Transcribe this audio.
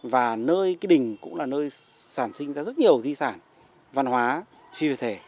và nơi cái đình cũng là nơi sản sinh ra rất nhiều di sản văn hóa phi vật thể